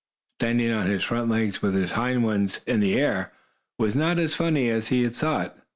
Standing on his front legs, with his hind ones in the air, was not as funny as he had thought.